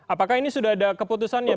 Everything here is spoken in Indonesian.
apakah ini sudah ada keputusan ya